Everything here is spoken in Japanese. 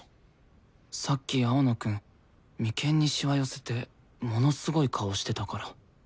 さっき青野くん眉間にシワ寄せてものすごい顔してたから。